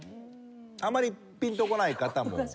あまりピンとこない方も。